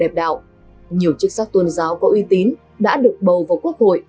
đồng đảo nhiều chức sách tôn giáo có uy tín đã được bầu vào quốc hội